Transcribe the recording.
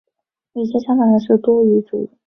与其相反的是多语主义。